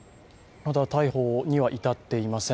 まだ逮捕には至っていません。